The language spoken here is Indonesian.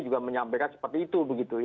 juga menyampaikan seperti itu